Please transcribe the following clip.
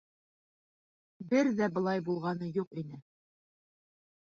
Бер ҙә былай булғаны юҡ ине!